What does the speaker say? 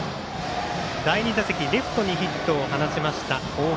第２打席、レフトにヒットを放ちました。